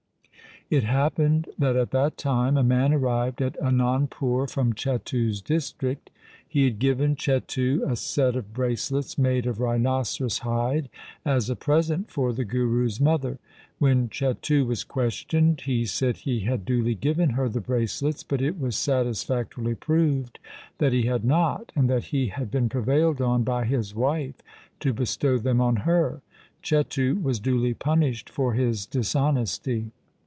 It happened that at that time a man arrived at Anandpur from Chetu's district. He had given 86 THE SIKH RELIGION Chetu a set of bracelets made of rhinoceros hide as a present for the Guru's mother. When Chetu was questioned, he said he had duly given her the bracelets, but it was satisfactorily proved that he had not, and that he had been prevailed on by his wife to bestow them on her. Chetu was duly pun ished for his dishonesty.